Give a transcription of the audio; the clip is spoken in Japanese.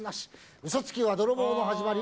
うそつきは泥棒の始まり。